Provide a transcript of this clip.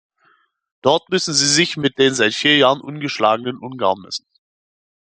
Dort müssen sie sich mit den seit vier Jahren ungeschlagenen Ungarn messen.